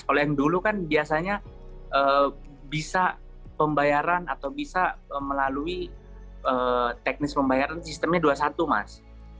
kalau yang dulu kan biasanya bisa pembayaran atau bisa melalui teknis pembayaran sistemnya dua puluh satu mas